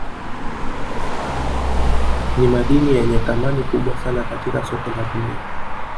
Nimadini yenye thamani kubwa sana katika soko la dunia